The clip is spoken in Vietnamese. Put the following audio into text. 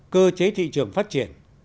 cơ chế thị trường phát triển